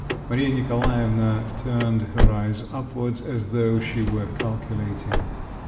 Maria Nikolaevna turned her eyes upwards as though she were calculating.